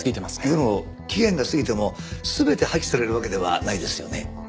でも期限が過ぎても全て破棄されるわけではないですよね？